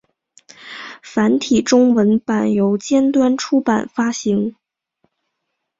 繁体中文版由尖端出版发行。